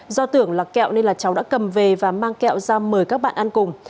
do tưởng là kẹo nên là cháu đã cầm về và mang kẹo ra mời các bạn ăn cùng